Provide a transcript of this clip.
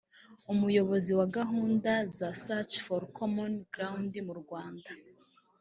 umuyobozi wa gahunda za Search for Common Ground mu Rwanda